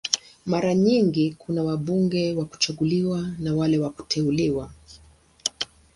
Mara nyingi kuna wabunge wa kuchaguliwa na wale wa kuteuliwa.